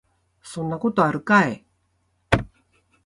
そんなことあるかい